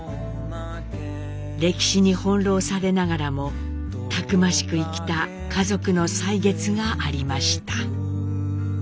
歴史に翻弄されながらもたくましく生きた家族の歳月がありました。